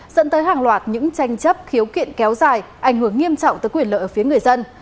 dẫn tới hàng loạt những tranh chấp khiếu kiện kéo dài ảnh hưởng nghiêm trọng tới quyền lợi phía người dân